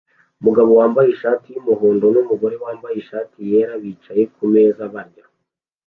Umugabo wambaye ishati yumuhondo numugore wambaye ishati yera bicaye kumeza barya